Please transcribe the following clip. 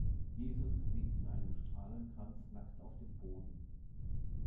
Jesus liegt in einem Strahlenkranz nackt auf dem Boden.